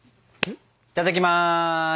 いただきます。